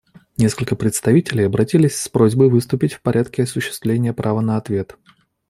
Несколько представителей обратились с просьбой выступить в порядке осуществления права на ответ.